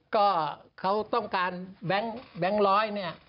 ก็เขาต้องการแบงค์ร้อยเนี่ย